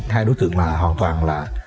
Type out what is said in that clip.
hai đối tượng là hoàn toàn là